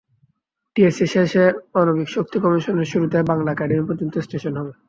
টিএসসির শেষে আণবিক শক্তি কমিশনের শুরু থেকে বাংলা একাডেমি পর্যন্ত স্টেশন হবে।